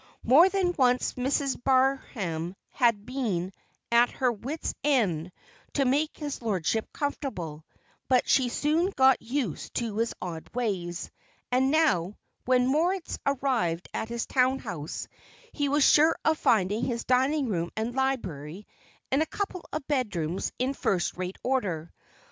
More than once Mrs. Barham had been at her wits' end to make his lordship comfortable, but she soon got used to his odd ways, and now, when Moritz arrived at his town house, he was sure of finding his dining room and library and a couple of bedrooms in first rate order.